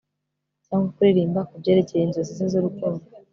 cyangwa kuririmba kubyerekeye inzozi ze z'urukundo